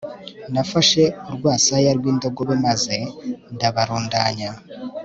nafashe urwasaya rw'indogobe maze ndabarundanya